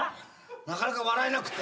なかなか笑えなくて。